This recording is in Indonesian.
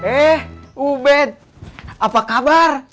eh ubed apa kabar